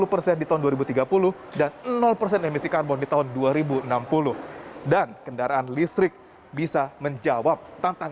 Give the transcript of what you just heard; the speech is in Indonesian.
perbankan indonesia yang dikenal sebagai sektor perbankan